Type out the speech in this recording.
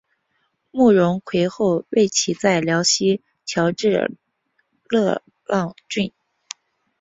慕容廆后为其在辽西侨置乐浪郡。